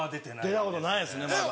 出たことないですねまだ。